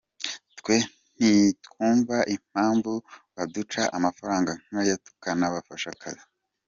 Twe ntitwumva impamvu baduca amafaranga nk’aya tukanabafasha akazi.